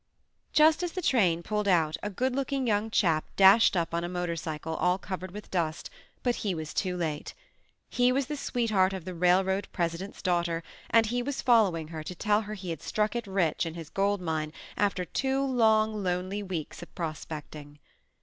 Just as the train pulled out a good look ing young chap dashed up on a motorcycle, all covered with dust, but he was too late. He was the sweetheart of the railroad presi dent's daughter, and he was following her to tell her he had struck it rich in his gold mine after two long, lonely weeks of pros pecting.